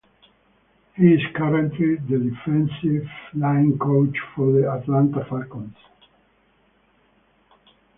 He is currently the defensive line coach for the Atlanta Falcons.